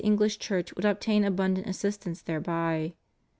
English Church would obtain abundant assistance there by.